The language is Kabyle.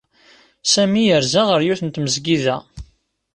Sami yerza ɣef yiwet n tmesgida.